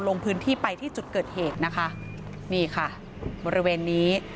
ลงพื้นที่ไปที่จุดเกิดเหตุนะคะนี่ค่ะบริเวณนี้